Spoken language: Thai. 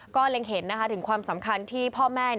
ก็เล็งเห็นถึงความสำคัญที่พ่อแม่